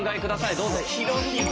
どうぞ。